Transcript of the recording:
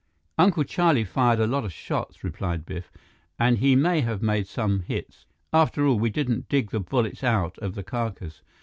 "Uncle Charlie fired a lot of shots," replied Biff, "And he may have made some hits. After all, we didn't dig the bullets out of the carcass.